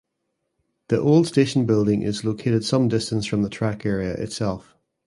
The old station building is located some distance from the track area itself.